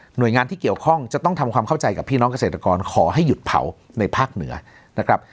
โดยงานที่เกี่ยวข้องจะต้องทำความเข้าใจกับพี่น้องเกษตรกรขอให้หยุดเผาในภาคเหนือนะครับ